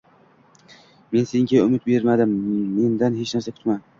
Men senga umid bermadim, mendan hech narsa kutma